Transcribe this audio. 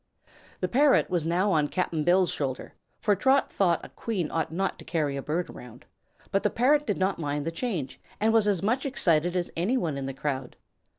The parrot was now on Cap'n Bill's shoulder, for Trot thought a Queen ought not to carry a bird around; but the parrot did not mind the change and was as much excited as anyone in the crowd.